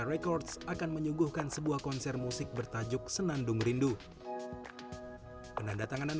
records akan menyuguhkan sebuah konser musik bertajuk senandung rindu penanda tanganan